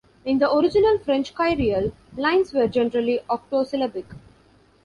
In the original French kyrielle, lines were generally octosyllabic.